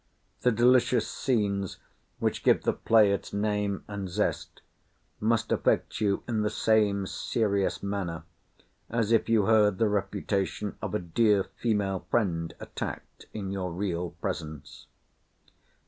The delicious scenes which give the play its name and zest, must affect you in the same serious manner as if you heard the reputation of a dear female friend attacked in your real presence.